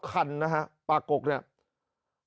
แล้วแสบแล้วคันป่ากกเนี่ย